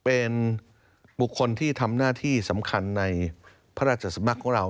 เป็นบุคคลที่ทำหน้าที่สำคัญในพระราชสำนักของเรา